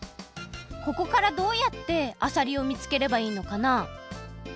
ここからどうやってあさりを見つければいいのかな？